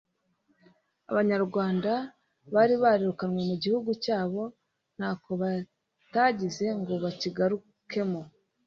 Abanyarwanda bari barirukanywe mu gihugu cyabo nta ko batagize ngo bakigarukemo